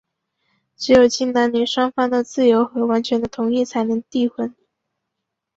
只有经男女双方的自由和完全的同意,才能缔婚。